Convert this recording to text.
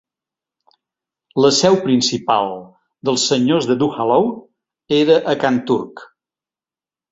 La seu principal dels senyors de Duhallow era a Kanturk.